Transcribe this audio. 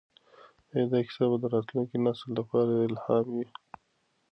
ایا دا کیسه به د راتلونکي نسل لپاره الهام وي؟